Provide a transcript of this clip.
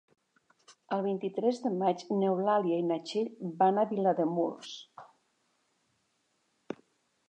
El vint-i-tres de maig n'Eulàlia i na Txell van a Vilademuls.